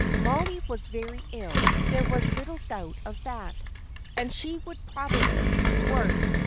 Mollie was very ill, there was little doubt of that, and she would probably be worse.